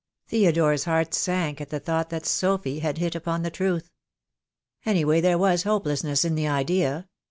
Theodore's heart sank at the thought that Sophy had hit upon the truth. Anyway there was hopelessness in the idea.